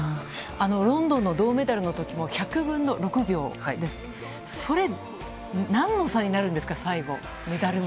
ロンドンの銅メダルのときも１００分の６秒ですか。それ、なんの差になるんですか、最後、メダルの。